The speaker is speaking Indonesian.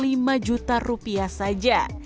lima juta rupiah saja